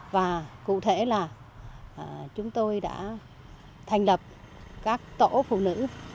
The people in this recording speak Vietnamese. và cụ thể là chúng tôi đã thành lập các tổ phụ nữ